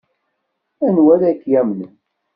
Anwa ara k-yamnen?